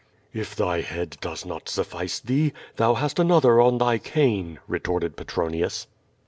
"If thy head does not suffice thee, thou hast another on thy cane," retorted Petronius.